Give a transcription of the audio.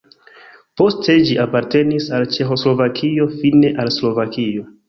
Poste ĝi apartenis al Ĉeĥoslovakio, fine al Slovakio.